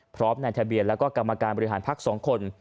พร้อมในทะเบียนและกรรมการบริหารภักดิ์สองคน